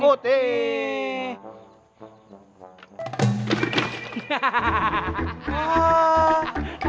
aduh aduh aduh